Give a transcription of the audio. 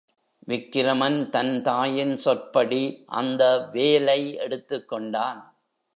விக்கிரமன் தன் தாயின் சொற்படி அந்த வேலை எடுத்துக்கொண்டான்.